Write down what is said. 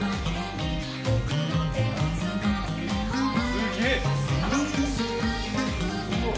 すげえ！